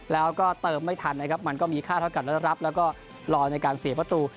แล้วก็เติมไม่ทันนะครับมันก็มีค่าเท่ากันแล้วรับแล้วก็รอในการเสียประตู